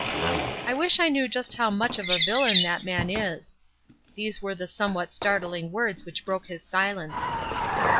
"I wish I knew just how much of a villain that man is." These were the somewhat startling words which broke his silence.